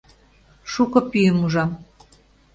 Шуко пӱйым ужам.